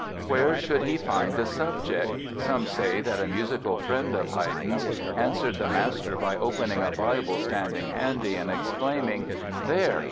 Where should he find a subject? Some say that a musical friend of Haydn's answered the master by opening a Bible standing handy and exclaiming: "There!